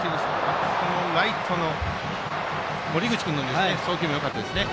ライトの森口君の送球もよかったですね。